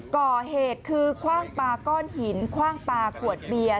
ก่อเหตุคือคว่างปลาก้อนหินคว่างปลาขวดเบียร์